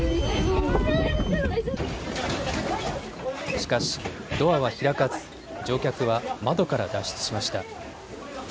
しかしドアは開かず乗客は窓から脱出しました。